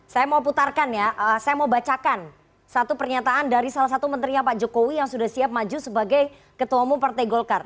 saya mau putarkan ya saya mau bacakan satu pernyataan dari salah satu menterinya pak jokowi yang sudah siap maju sebagai ketua umum partai golkar